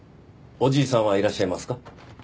おじいさんはいらっしゃいますか？